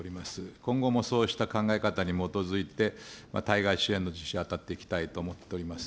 今後もそうした考え方に基づいて、対外支援の実施に当たっていきたいと思います。